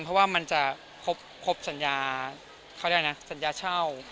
เพราะว่ามันจะครบสัญญาเช่า